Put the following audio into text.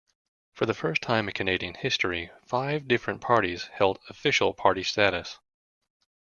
For the first time in Canadian history, five different parties held official party status.